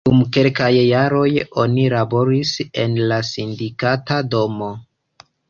Dum kelkaj jaroj oni laboris en la Sindikata Domo.